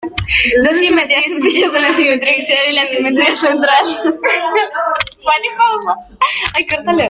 Dos simetrías sencillas son la simetría axial y la simetría central.